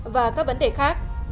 và các vấn đề khác